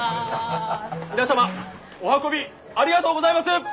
皆様お運びありがとうございます！